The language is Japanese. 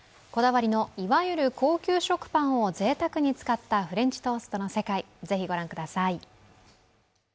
こだわりの、いわゆる高級食パンをぜいたくに使ったフレンチトーストの世界、ぜひ御覧ください。